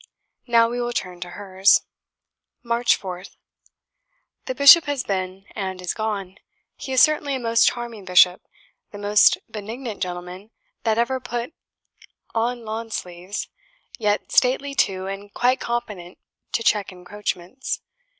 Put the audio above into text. Now we will turn to hers. "March 4th. "The Bishop has been, and is gone. He is certainly a most charming Bishop; the most benignant gentleman that ever put on lawn sleeves; yet stately too, and quite competent to check encroachments.